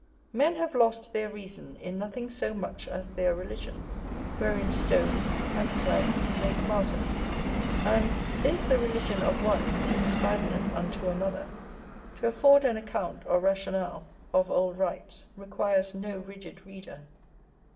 Men have lost their reason in nothing so much as their religion, wherein stones and clouts make martyrs; and, since the religion of one seems madness unto another, to afford an account or rational of old rites requires no rigid reader.